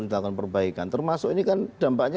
dilakukan perbaikan termasuk ini kan dampaknya